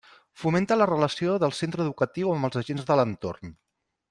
Fomenta la relació del centre educatiu amb els agents de l'entorn.